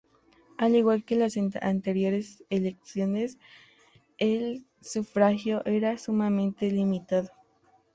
Al igual que en las anteriores elecciones, el sufragio era sumamente limitado.